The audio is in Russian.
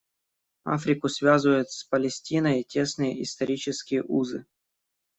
Африку связывают с Палестиной тесные исторические узы.